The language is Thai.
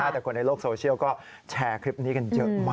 แต่คนในโลกโซเชียลก็แชร์คลิปนี้กันเยอะมาก